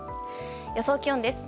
予想気温です。